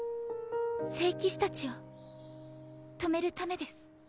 聖騎士たちを止めるためです。